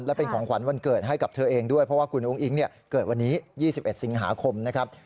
และเป็นของขวัญวันเกิดให้กับเธอเองด้วยเพราะว่าคุณอุ้งอิ๊งเกิดวันนี้๒๑สิงหาคมนะครับ